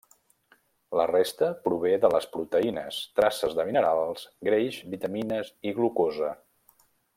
La resta prové de les proteïnes, traces de minerals, greix, vitamines i glucosa.